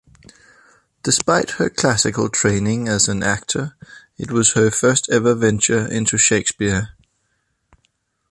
Despite her classical training as an actor, it was her first-ever venture into Shakespeare.